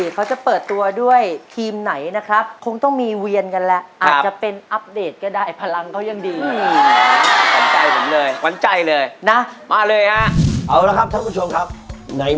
ใครจับได้ไม้สั้นขึ้นก่อนไม้ยาวขึ้นทีหลังนะครับผม